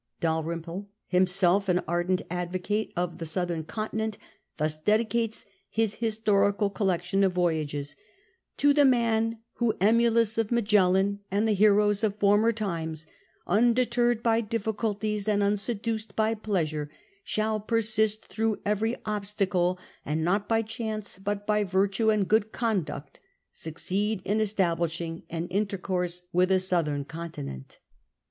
Dalrymple, himself an ardent advocate of the southern continent, thus dedicates his Historical Collection of Voyages :" To the man who, emulous of Magellan and VII THE EARL OP SANDWICH 87 the heroes of former times, undeterred by difficulties, and unseduced by pleasure, shall persist through every obstacle, and not by chance but by virtue and good con duct succeed in establishing an intercourse Avith a Southern Continent